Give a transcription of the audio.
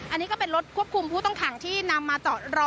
อันนี้ก็เป็นรถควบคุมผู้ต้องขังที่นำมาจอดรอ